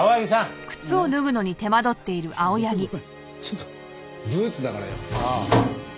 ちょっとブーツだからよ。